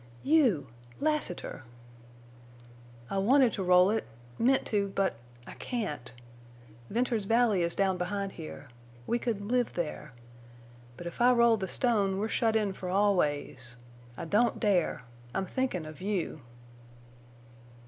"You!... Lassiter!" "I wanted to roll it—meant to—but I—can't. Venters's valley is down behind here. We could—live there. But if I roll the stone—we're shut in for always. I don't dare. I'm thinkin' of you!"